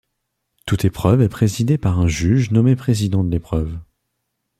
Toute épreuve est présidé par un juge nommé Président de l'épreuve.